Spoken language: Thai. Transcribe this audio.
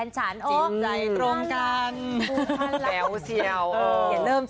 ชอบของเริ่ม